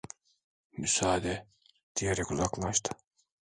Müsaade!" diyerek uzaklaştı.